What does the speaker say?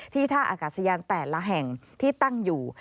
ท่าอากาศยานแต่ละแห่งที่ตั้งอยู่